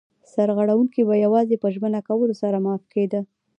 سرغړونکی به یوازې په ژمنه کولو سره معاف کېده.